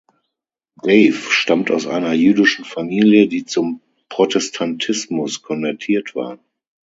Dave stammt aus einer jüdischen Familie, die zum Protestantismus konvertiert war.